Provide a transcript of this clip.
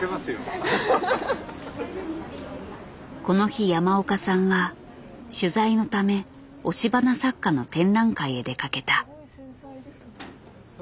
この日山岡さんは取材のため押し花作家の展覧会へ出かけた。